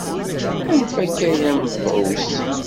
Anef akka ay amedεus!